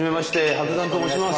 伯山と申します。